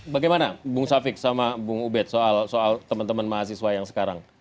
bagaimana bung safik sama bung ubed soal teman teman mahasiswa yang sekarang